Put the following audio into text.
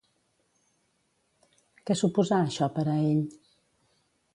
Què suposà això per a ell?